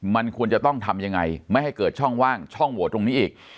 มันควรจะต้องทำยังไงไม่ให้เกิดช่องว่างช่องโหวตตรงนี้อีก